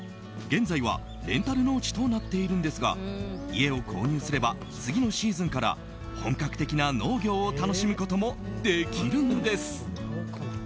現在はレンタル農地となっているんですが家を購入すれば次のシーズンから本格的な農業を楽しむこともできるんです。